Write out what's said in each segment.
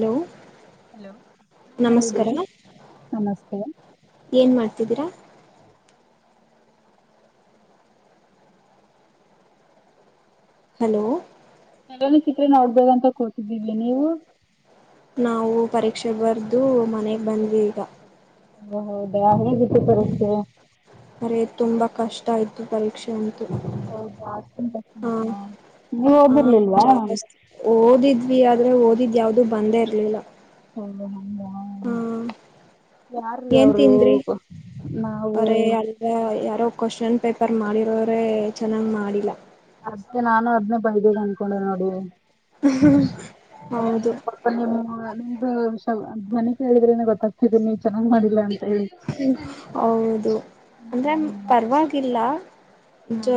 Hello hello ಹಾ ಹೇಳಿ ನಮಸ್ಕಾರ ನಮಸ್ತೆ ಹೇಗಿದಿರ ಹಲೋ ಎನ ಚಿತ್ರ ನ ನಡ್ಬೇದಂತ ಕೊಟ್ಟಿದಿವಿ ನೀವು. ನಾವು ಪರೀಕ್ಷೆ ಬರ್ದು ಮನೆಗೆ ಬಂದ್ವಿ ಈಗ. ಹ ಹೌದಾ ಹ್ಮ ಪರೀಕ್ಷೆ ಅರೇ ತುಂಬಾ. ಕಷ್ಟ ಇತ್ತು ತಲ್ [unintelligible] ಹೌದಾ ಅಷ್ಟೊಂದ್ ಕಷ್ಟ ಹಾ ಇತ್ತಾ ನೀವ್ ಹಾ ಓದಿರ್ಲಿಲ್ವಾ ಓದಿದ್ವಿ ಅ. ಆದ್ರೆ ಓದಿದ್ ಯಾವ್ದು ಬಂದೇ ಇರ್ಲಿಲ್ಲ. ಹ್ಮ. ಹಾ ಹ ಯಾರೀ ಏನ್ ಅವ್ರು ತಿಂದ್ರಿ ನಾವು. ಅವರೇ ಅಲ್ಗ ಯಾರೋ ಕ್ವಶನ್ ಪೇಪರ್ ಮಾಡಿರೋರೆ ಚೆನ್ನಾಗ್ ಮಾಡಿಲ್ಲ. ಅದೇ ನಾನು ಅದ್ನೇ ಬೈದಿನ ಅನ್ಕೊಂಡೆ ನೋಡು. [unintelligible] ಹೌದು ಮಣಿ ಕೇಳಿದ್ರೇನೇ ಗೊತ್ತಾಗ ತಿದ್ದಿ ನಿ ಹೌದು ಅಂದ್ರೆ ಹ್ಮ್ ಪರವಾಗಿಲ್ಲ. ಹಾ ಜ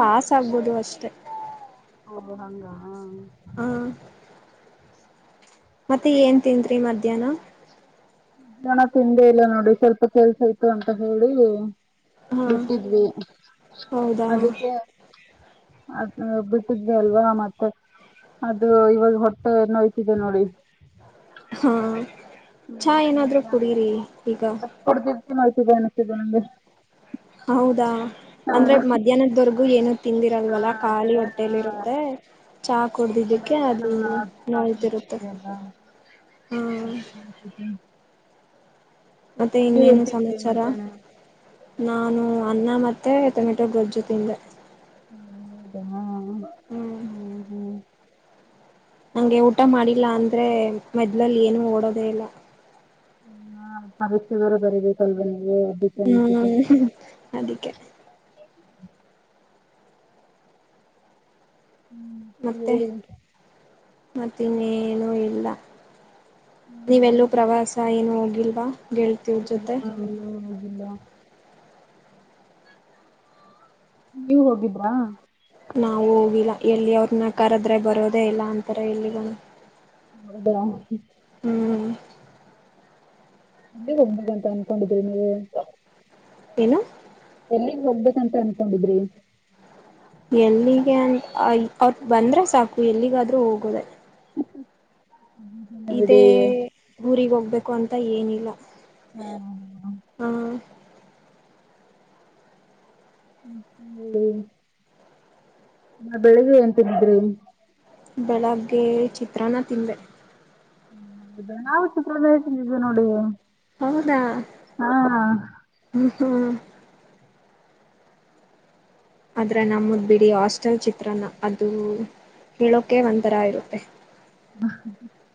ಪಾಸ್ ಆಗಬೋದು ಅಷ್ಟೇ. ಒಹ್ ಹಂಗ ಆ. ಮತ್ತೆ ಏನ್ ತಿಂದ್ರಿ ಮದ್ಯಾನ. [unintelligible] ತಿಂದೆ ಇಲ್ಲಾ ನೋಡಿ ಸ್ವಲ್ಪ ಕೆಲ್ಸ ಇತ್ತು ಅಂತ ಹೇಳಿ. ಹಾ ಬಿಟ್ಟಿದ್ವಿ ಹೌದಾ ಅದಿಕ್ಕೆ. ಬಿಟ್ಟಿದ್ವಿ ಅಲ್ವಾ ಮತ್ತೆ ಅದು ಇವಾಗ ಹೊಟ್ಟೆ ನೋಯ್ತಿದೆ ನೋಡಿ ಹಾ. ಚಾ ಏನಾದ್ರು ಕುಡೀರಿ ಈಗ. ಅದ್ ಕುಡ್ದಿದ್ಕೆ ನೋಯ್ತಿದೆ ಅನ್ನಿಸ್ತಿದೆ ನಂಗೆ ಹೌದಾ. ಅಂದ್ರೆ ಮದ್ಯಾನದ ವರ್ಗು ಏನು ಹಾ ತಿಂದಿರಲ್ವಲ್ಲ ಖಾಲಿ ಅದೇ ಹಾ ಹೊಟ್ಟೇಲಿ ಇರುತ್ತೆ. ನೋಯ್ತಿರುತ್ತೆ ಹಾ [unintelligible] ಮತ್ತೆ ನೀವೇನ್ ಇನ್ನೇನು ತಿಂದ್ರಿ ಸಮಾಚಾರ ಮಧ್ಯಾಹ್ನ ನಾನು ಅನ್ನ ಮ ಮತ್ತೆ ಟೊಮೆಟೊ ಗೊಜ್ಜು ತಿಂದೆ. ದಾಮ. ಹ್ಮ್. ನಂಗೆ ಊಟ ಮಾಡಿಲ್ಲ ಅಂದ್ರೆ ಮದ್ಲಲ್ಲಿ ಏನು ಓಡೋದೇ ಇಲ್ಲ. ಹಾ ಪರೀಕ್ಷೆ ಬರೇ ಬರೀಬೇಕಲ್ವ್. ಹ್ಮ್ ಅದಕ್ಕೆ ಹ್ಮ್ ಹೇಳಿ. ಮತ್ತ ಇನ್ನೇನು ಇಲ್ಲ. ನೀವೆಲ್ಲೂ ಪ್ರವಾಸ ಏನು ಹೋಗಿಲ್. ವಾ ಎಲ್ಲಾ ಎಲ್ಲಿ ಹೋಗಿಲ್ಲ. ನೀವು ಹೋಗಿದ್ರಾ. ನಾವು ಹೋಗಿಲ್ಲ ಎಲ್ಲಿ ಅವ್ರ್. ನಾ ಕರದ್ರೆ ಬರೋದೇ ಇಲ್ಲ ಅಂತಾರೆ ಎಲ್ಲಿಗುನು. ಹೌದಾ ಹ್ಮ್ ಎಲ್ಲಿಗೆ ಹೋಗ್ಬೇಕಂತ ಅನ್ಕೊಂಡಿದ್ರಿ ನೀವು. ಏನ್ ಏನು [inaudible] ಎಲ್ಲಿಗ್ ಹೋಗ್ಬೇಕಂತ ಅನ್ಕೊಂಡಿದ್ರಿ. ಎಲ್ಲಿಗೆ ಅಂತ್ ಅವ್ರ್ ಬಂದ್ರೆ ಸಾಕು ಎಲ್ಲಿಗಾದರೂ ಹೋಗೋದೇ. ಇದೆ ಬಿಡಿ ಊರಿಗೆ ಹೋಗಬೇಕು ಅಂತ ಏನ ಇಲ್. ಇಲ್ಲಾ ಹಹ್ ಹ್ಮ್ಮ್ ಎಲ್ಲಿ. ಬೆಳಿಗ್ಗೆ ಏನ್ ತಿಂದಿದ್ರಿ. ಬೆಳಿಗ್ಗೆ ಚಿತ್ರಾನ್ನ ತಿಂದೆ. ದಿನಾ ಚಿತ್ರಾನ್ನ ತಿಂದಿದಿವಿ ನೋಡಿ. ಹೌದಾ ಹಾ ಹ್ ಹ ಆದ್ರೆ ನಮೂದ್ ಬಿಡಿ ಹಾಸ್ಟೆಲ್ ಚಿತ್ರಾನ್ನ ಅದು ಹೇಳೋಕೆ ಒಂದತರಾ ಇರುತ್ತೆ.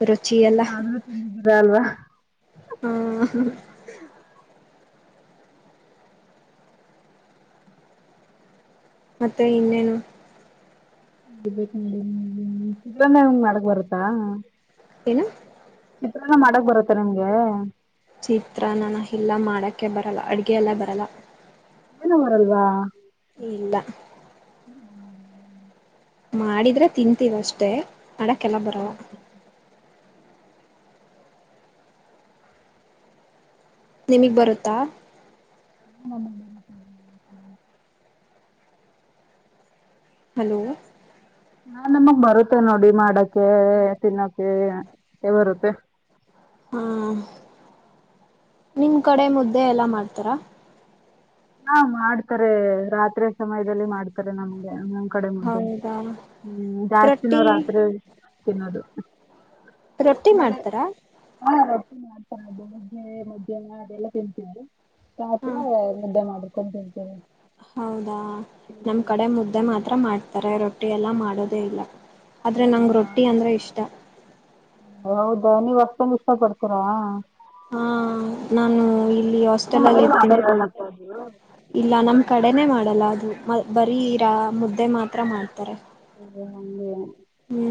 ರುಚಿ ಎಲ್ಲ ಆದ್ರು ತಿಂದಿದ್ದರೆ ಅಲ್ವಾ. ಹ ಮತ್ತೆ ಇನ್ನ ಏನು. [inaudible] ಚಿತ್ರಾನ್ನ ಮಾಡಕ್ ಬರುತ್ತಾ. ಏನು ಚಿತ್ರಾನ್ನ ಮಾಡಕ್ಕೆ ಬರುತ್ತ ಆ ನಿಮಗೆ. ಚಿತ್ರಾನ್ನನೇ ಎಲ್ಲಾ ಮಾಡಕ್ಕೆ ಬರಲ್ಲ ಅಡುಗೆ ಎಲ್ಲಾ ಬರಲ್ಲ. ಏನು ಬರಲ್ವಾ. ಇಲ್ಲ ಮಾಡಿದ್ರೆ ತಿಂತೀವಿ ಅಷ್ಟೇ. ಮಾಡಕೆಲ್ಲ ಬರಲ್ಲ. ನಿನಗೆ ಬರುತ್ತಾ. ನನಗೆ ಬರುತ್ತೆ. ಹಲೋ ಆ ನಮುಗ್ ಬರುತ್ತೆ ನೋಡಿ ಮಾಡಕ್ಕೆ ಹೇ ತಿನ್ನಕ್. ಹೇ ಎವರುತ್ತೆ. ಹಾ ನಿಮ್ ಕಡೆ ಮುದ್ದೆ ಯಲ್ಲಾ ಮಾಡ್ತಾರಾ. ಹಾ ಮಾಡ್ತಾರೆ ರಾತ್ರಿ ಸಮಯದಲ್ಲಿ ಮಾಡ್ತಾರೆ ನಮ್ಗೆ. ಕಡೆ ಮುದ್ದೆ ಹೌದಾ ಜಾಸ್ತಿ ರೊಟ್ಟಿ ನಾವ್ ರಾತ್ರಿ ತಿನ್ನೋದು. ರೊಟ್ಟಿ ಮಾಡ್ತಾರಾ. [inaudible] ಬೆಳಗ್ಗೆ ಮಧ್ಯಾನ ಅದೆಲ್ಲ ತಿಂತೀವಿ. [inaudible] ಹ [inaudible] ಹೌದಾ ನಮ್ ಕಡೆ ಮುದ್ದೆ ಮಾತ್ರ ಮಾಡ್ ಅರೆ ರೊಟ್ಟಿಯಲ್ಲಾ ಮಾಡೋದೆ ಇಲ್ಲಾ ಆದ್ರೆ ನಂಗ್ ರೊಟ್ಟಿ ಅಂದ್ರೆ ಇಷ್ಟ. ಹೌದ ನೀವ್ ಅಷ್ಟೊಂದ್ ಇಷ್ಟಾ ಪಡ್ತೀರಾ. ಹಾ ನಾನು ಇಲ್ಲಿ ನಿಮ್ಮ ಹಾಸ್ಟೆಲಲ್ಲಿ ಮನೇಲಿ ಇರ್ತೀನಿ ಮಾಡಲ್ವಾ ಮತ್ತೆ ಅದು ಇಲ್ಲ ನಮ್ ಕಡೆನೆ ಮಾಡಲ್ಲ ಅದು ಮ ಬರೀ ರಾ ಮುದ್ದೆ ಮಾತ್ರ ಮಾಡ್ತಾರೆ ಓ ಹಂಗೆ ಹು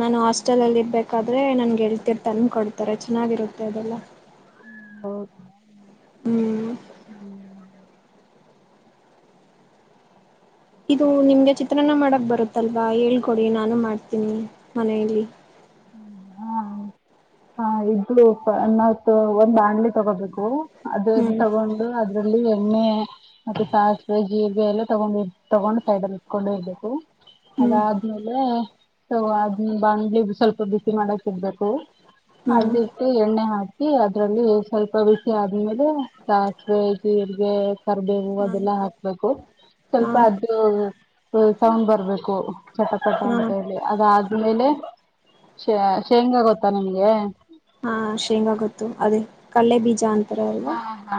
ನಾನು ಹಾಸ್ಟೆಲ್ ಇರ್ಬೇಕ್ ರೆ ಹೇಳ್ತಿಯರ್ ತಂದ ಕೊಡ್ತಾರೆ ಚೆನ್ನಾಗಿರುತ್ತೆ ಅದೆಲ್ಲ. ಹ್ಮ್ಮ್ ಓ ಹ್ಮ್ಮ್ ಇದು ನಿಮ್ಗೆ ಚಿತ್ರಾನ್ನ ಮಾಡಕ್ ಬರುತಲ್ವಾ ಹೇಳಿ ಕೊಡಿ ನಾನು ಮಾಡ್ತೀನಿ ಮನೇಯಲ್ಲಿ ಹ್ಮ್ಮ್ ಹಾ ಹಾ ಇದು ಪ ನ ತಗೊಂಡ್ [unintelligible] ತಗೋಬೇಕು ಅದು ಅದನ್ ಹ್ಮ್ ತಗೊಂಡು ಅದ್ರಲ್ಲಿ ಸಾಸ್ವೆ ಜಿರ್ಗೆ ಎಲ್ಲಾ ತಗೊಂ ತಗೊಂಡ್ ಸೈಡಲ್ ಇಟ್ಕೊಂಡು ಇರ್ಬೇಕು. ಅದ ಹ್ಮ್ ಆದ್ಮೇಲೆ ಸೊ ಅದ್ ಬಾಡ್ಲಿ ಸ್ವಲ್ಪ ಬಿಸಿ ಮಾಡಕ್ ಇಡಬೇಕು ಹ್ಮ್ ಅದಿಟ್ಟು ಎಣ್ಣೆ ಹಾಕಿ ಅದ್ರಲ್ಲಿ ಸ್ವಲ್ಪ ಬಿಸಿ ಆದ್ಮೇಲೆ ಸಾಸ್ವೆ ಜಿರ್ಗೆ ಕರ್ಬೆವು ಹಾ ಅದೆಲ್ಲ ಹಾಕ್ಬೇಕು ಹಾ ಸ್ವಲ್ಪ ಅದ ಸೌಂಡ್ ಬರ್ಬೇಕು ಚಟಪಟ ಹಾ ಅಂತ ಹೇಳಿ ಅದಾದ್ಮೇಲೆ. ಶ ಶೇಂಗಾ ಗೊತ್ತಾ ನಿಮ್ ಏ. ಹಾ ಶೇಂಗಾ ಗೊತ್ತು ಅದೇ ಕಲ್ಲೆ ಬೀಜ [unintelligible] ಹ ಹಾ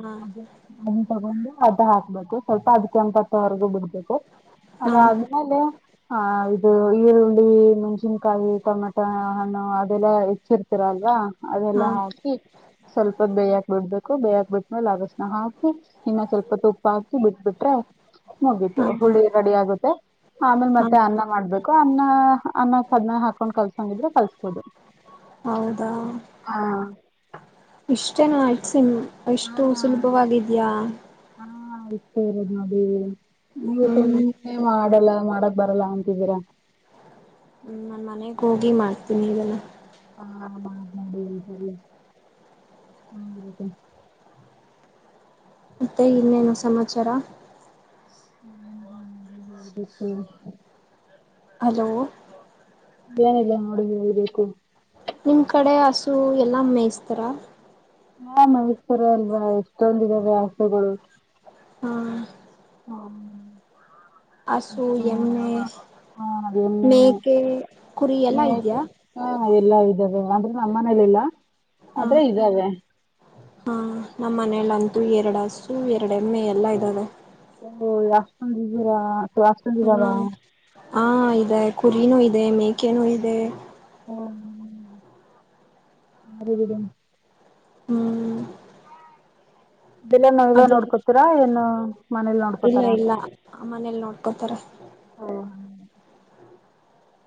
ಹಾ ಅದನ್ ತಗೊಂಡು ಅದ ಹಾಕ್ಬೇಕು ಸ್ವಲ್ಪ ಅದ್ ಕೆಂಪತ್ತೋವರ್ಗೂ ಬಿಡ್ಬೇಕು. ಅದು ಹಾ ಆದ್ಮೇಲೆ ಆ ಇದು [unintelligible] ಮೆಣಸಿನಕಾಯಿ ಟಮಟ ಹಣ್ಣು ಅದೆಲ್ಲ ಹಚ್ಚಿರ್ತಿರಲ್ವ ಹಾ ಅದೆಲ್ಲಾ ಹಾಕಿ ಸ್ವಲ್ಪ ಬೇಯಕ್ ಬಿಡ್ಬೇಕು ಬೇಯ್ಯಾಾಕ್ ಬಿಟ್ಟ್ಮೇಲೆ ಅಣ ಹಾಕಿ ಇನ್ನ ಸ್ವಲ್ಪ ತುಪ್ಪ ಹಾಕಿ ಬಿಟ್ಬಿಟ್ರೆ ಮುಗಿತು ಹಾ ಹುಳಿ ರೆಡಿ ಆಗುತ್ತೆ ಆಮೇಲೆ ಹಾ ಮತ್ತೆ ಅನ್ನ ಮಾಡ್ಬೇಕು ಅ ನ್ನ ಅನ್ನ ಕದ್ನ ಹಾಕೊಂಡ್ ಕಲ್ಸಂಗಿದ್ರೆ ಕಲ್ಸ್ಬೋದು ಹೌದಾ ಹಾ ಇಷ್ಟ ಐಟಮ್ ಹಾ ಅಷ್ಟು ಸುಲಭವಾಗಿದ್ಯಾ ಹಾ ಅಷ್ಟೇ ಇರೋದ ನೋಡಿ ನೀವು ಹ್ಮ್ ಸುಮ್ಮನೆ ಮಾಡಲ್ಲ ಮಾಡ ಬರಲ್ಲ ಅಂತಿದ್ದೀರಾ ಹ್ಮ್ ನಾನ್ ಮನೆಗ್ ಹೋಗಿ ಮಾಡ್ತೀನಿ ಇದೆಲ್ಲ ಹಾ ಮಾಡೊಂಡಸಲ್ಲ ಹ್ಮ ಮತ್ತೆ ಇನ್ನೇನು ಸಮಾಚಾರ ಹನ್ ಮಾಡಿ ಹೇಳ್ಬೇಕು [unintelligible] ಹಲೋ ಏನಿಲ್ಲ ನೋಡಿ ಹೇಳ್ಬೇಕು ನಿಮ್ ಕಡೆ ಹಸು ಎಲ್ಲ ಮೇಯಿಸ್ತಾರ ಹಾ ಬೇಯಿಸ್ತಾರೆ ಅಲ್ವಾ ಇಷ್ಟೊಂದ್ ಇದಾವೆ ಹಸುಗಳು ಹ್ಮ ಹಸು ಎಮ್ಮೆ ಹಾ ಅದನ್ನು ಮೇಕೆ ಕುರಿ ಎಲ್ಲಾ ಇದ್ಯಾ ಹ ಎಲ್ಲಾ ಇದ್ದಾವ ಅಂದ್ರೆ ನಮ್ಮ ಮನೇಲಿಲ್ಲ ಹಾ ಹಾ ನಮ್ಮ ಮನಲ್ಲಂತೂ ಎರಡ್ ಹಸು ಎರಡೆ ಎಮ್ಮೆ ಎಲ್ಲ ಇದ್ದಾವೆ. ಓ ಅಸ್ಟೊಂದು ಇದಿರಾ ಅಸ್ಟೊಂದು ಹಾ ಇದಾವ ಹಾ ಇದೆ ಕುರಿನೂ ಇದೆ ಮೇಕೆನುೂ ಇದೆ ಹ ಬಾರಿ ಬಿಡಿ ಹ್ಮ್ ಅದೆಲ್ಲಾ ನೀವೇ ಅದೇ ನೋಡ್ಕೋತೀರಾ ಏನು ಮನೇಲಿ ಇಲ್ಲ ನೋಡ್ಕೋತಾರ ಇಲ್ಲ ಮನೇಲಿ ನೋಡ್ಕೋತಾರೆ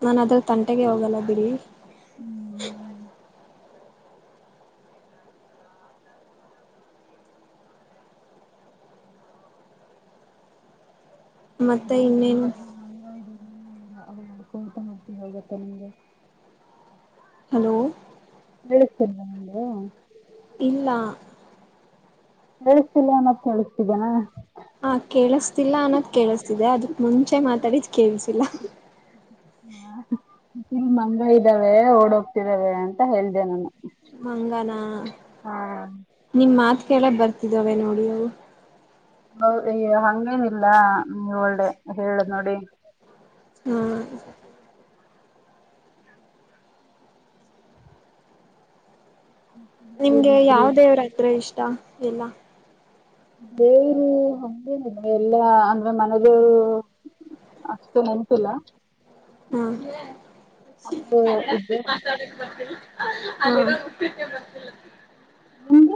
ನನ್ ಅದ್ರ ತಂಟೆಗೆ ಹೋಗಲ್ಲ ಬಿಡಿ ಹ್ಮ್ ಮತ್ತೆ ಈ ಮಂಗ ಇನ್ನೇನು ಈ ಮಂಗ ಹ್ಮ್ ನೋಡ್ಕೊತಾ ಹೋಡ್ತ ಹೋಗುತ್ತೆ ನಿಮ್ಗೆ ಹಲೋ ಕೇಳಿಸ್ತಾ ನಿಮ್ಗೆ ಇಲ್ಲಾ ಕೇಳಿಸ್ತಾ ಇಲ್ಲ ಆನೊಂದು ಕೇಳಿಸ್ತಿದೆನಾ ಹ ಕೇಳಿಸತಿಲ್ಲ ಅನ್ನೋದ್ ಕೇಳಿಸ್ತಿದೆ ಅದಕ್ ಮುಂಚೆ ಮಾತಾಡಿದ ಕೇಳಸಿಲ್ಲ ಹಾ ಇಲ್ ಮಂಗ ಇದ್ದಾವೆ ಓಡ ಹೋಗ್ತಿದಾವೆ ಅಂತ ಹೇಳ್ದ ನಾನು ಮಂಗನಾ ನಿಮ ಮಾತ್ ಕೆೇಳಕ್ ಬರ್ತಿದಾವೆ ನೋಡಿ ಅವು ಹೌದ ಈ ಹಂಗೇನಿಲ್ಲಾ ನೀ ಒಳ್ಳೆ ಹೇಳ ನೋಡಿ ಹ್ಮ ನಿಮ್ಗೆ ಯಾವ ಏನಾದ್ರು ದೇವರತ್ರೆ ಇಷ್. ಟ ಎಲ್ಲ ಬೇರು ಹಂಗೇ ಎಲ್ಲಾ ಅಂದ್ರೆ ಮನೆದೇವರು ಅಷ್ಟು ನೆನ್ಪಿಲ್ಲ ಹಾ ಇದ್ರು ಅ ಯಂಗೆ.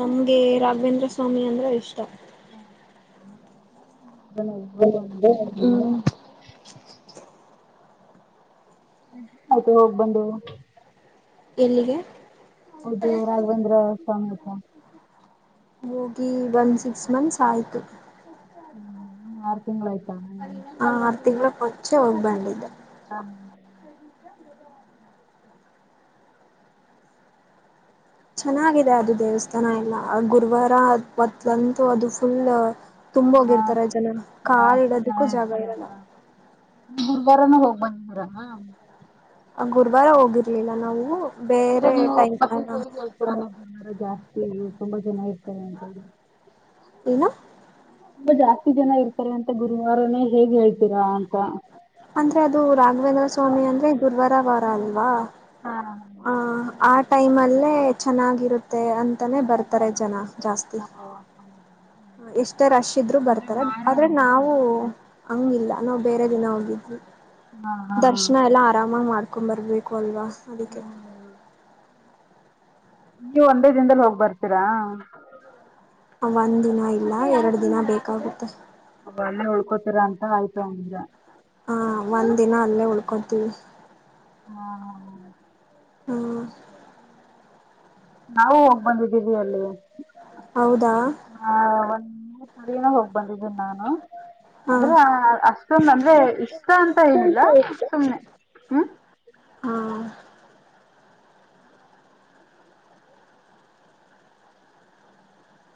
ನಮ್ಗೆ ರಾಘವೇಂದ್ರ ಸ್ವಾಮಿ ಅಂದ್ರ ಇಷ್ಟ ಹ್ಮ ಹ ಹ್ಮ್ ಆಯ್ತು ಹೋಗ್ ಬಂದು ಎಲ್ಲಿಗೆ ಹೌದು ರಾಘವೇಂದ್ರ ಸಾಂಗತ್ರ ಹೋಗಿ ಒನ್ ಸಿಕ್ಸ್ ಮಂತ್ಸ್ ಆಯ್ತು ಹ್ಮ್ ಹಾ ಆರ್ತಿ ಅಚ್ಚೆ ಹೋಗ್ಬಂಡಿದೇ. ಹಾ ಚೆನ್ನಾಗಿದೆ ಅದು ದೇವಸ್ಥಾನ ಎಲ್ಲ ಗುರುವಾರ ಮತ್ಲಂತೂ ಅದು ಫುಲ್ ತುಂಬ ಹೋಗಿರ್ತಾರ ಜನ ಕಾಲ್ ಜಾಸ್ತಿ ಇಡೋದಕ್ಕೂ ಜಾಗ ಇರಲ್ಲ ಗುರ್ಬಾರನ ಹೋಗ್ ಬಂದ ಮಾರ ಗುರುವಾರ ಹೋಗಿರ್ಲಿಲ್ಲ ನಾವು ಅಂದ್ರೆ ಬೇರೆ ನೀವು ಟೈಮ್ ಮತ್ತೆ ಹೇಗೆ ಹೇಳ್ತರ ನೀರಜ ಇ ತುಂಬಾ ಜನ [unintelligible] ಏನು ತುಂಬಾ ಜಾಸ್ತಿ ಜನ ಇರ್ತಾರೆ ಅಂತ ಗುರುವಾರಾನೇ ಹೇಗ್ ಹೇಳ್ತೀರಾ ಅಂದ್ರೆ ಅದು ರಾಘವೇಂದ್ರ ಸ್ವಾಮಿ ಅಂದ್ರೆ ಗುರ್ವಾರ್. ಶ ವಾರಾಲ್ವಾ ಹಾ ಹ ಆ ಟೈಮಲ್ಲೇ ಚೆನ್ನಾಗಿರುತ್ತೆ ಅಂತಾನೇ ಬರ್ತಾರೆ ಜನ ಜಾಸ್ತಿ ಎಷ್ಟೇ ರಶ್ ಇದ್ರರು ಅಂದ್ರೆ ಬರ್ತಾರೆ ವಾರ ಆದ್ರೆ ಅಲ್ವಾ ನಾವು ಅದಕ್ಕೆ. ಹಂಗಿಲ್ಲ ನಾವು ಬೇರೆ ದಿನ ಹೋಗಿದ್ವಿ ಹಾ ಹಾ ದರ್ಶನ ಎಲ್ಲಾ ಆರಾಮಾಗಿ ಮಾಡ್. ಕುಮರಬೇಕಲ್ದ ಹ್ಮ ಹ್ಮ ಹ [inaudible] ನೀವು ಒಂದೇ ದಿನದಲ್ಲಿ ಹೋಗ್ ಬರ್ತೀರಾ ಒಂದ್ ದಿನ ಇಲ್ಲ ಎರಡು ದಿನ ಬೇಕಾಗುತ್ತೆ ಅವ ಅಲ್ಲೇ ಉಳ್ಕೋತೀರಾ ಅಂತ ಆಯ್ತು ಅವಂಗಂದ ಹಾ ಒಂದ್ ದಿನ ಅಲ್ಲೇ ಉಳ್ಕೊತೀವಿ ಹ್ಮ ಹ ಹ್ಮ ನಾವು ಹೋಗ್ ಬಂದಿದ್ದೀವಿ ಅಲ್ಲಿ ಹೌದಾ ಆ ಒಂದ್ ಮೂರ್ ಸರಿನ ಹೋಗ್ ಬಂದಿದ್ದೀನ ನಾನು ಹಾ ಆದ್ರೆ ಅಷ್ಟೊಂದ ಅಂದ್ರೆ ಇಷ್ಟ ಅಂತ ಏನಿಲ್ಲ ಸುಮ್ನೆ ಹ್ಮ್ ಹ್ಮ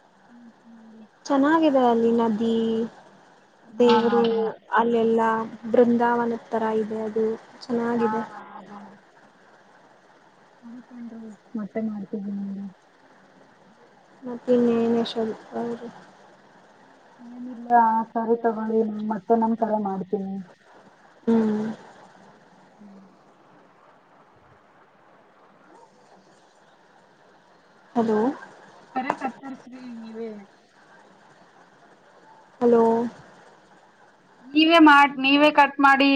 [inaudible] ಚೆನ್ನಾಗಿ ಅಲ್ಲಿ ನದಿ ಹಾ ದೇವರು ಅದೇ ಹಾ ಅಲ್ಲೆಲ್ಲಾ ಬೃಂದಾವನದ ಥರ ಇದೆ ಅದು ಹಾ ಚೆನ್ನಾಗಿದೆ ಅದ ಅರ್ಕೊಂಡ್ರಿ ಮತ್ತೆ ಮಾಡ್ತವಿ ನಿಮಗೆ. ಮತ್ತ ಇನ್ನೇನ ಶ ಅವರು ನಿಲ್ಲ ಸರಿ ತಗೊಳ್ಳಿ ನ ಮತ್ತೆ ನಮ್ ಕರೆ ಮಾಡ್ತೀನಿ ಹ್ಮ್ ಹ್ಮ್ ಹಲೋ ಸರೆ ಕರ್ತರ್ಸ್ರಿ ನೀವೇ ಹಲೋ ನೀವೇ ಮಾಡಿ ನೀವೇ ಕಟ್ ಮಾಡಿ